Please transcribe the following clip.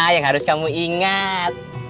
yang harus kamu ingat